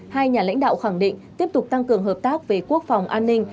hai nhà lãnh đạo khẳng định tiếp tục tăng cường hợp tác về quốc phòng an ninh